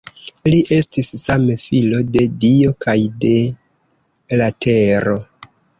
Li estis same filo de dio kaj de la tero.